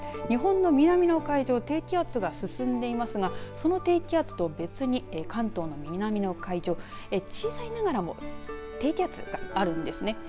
日本の南の海上を低気圧が進んでいますがその低気圧と別に関東の南の海上小さいながらも低気圧があるんですね。